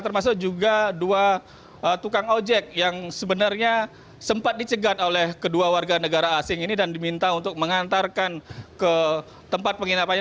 termasuk juga dua tukang ojek yang sebenarnya sempat dicegat oleh kedua warga negara asing ini dan diminta untuk mengantarkan ke tempat penginapannya